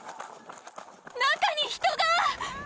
中に人が！